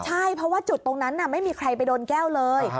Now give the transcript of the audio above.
ใช่เพราะว่าจุดตรงนั้นไม่มีใครไปโดนแก้วเลย